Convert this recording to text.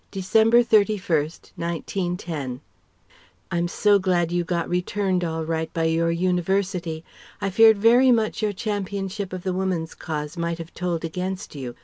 December 31, 1910. DEAR MICHAEL, I'm so glad you got returned all right by your University. I feared very much your championship of the Woman's Cause might have told against you.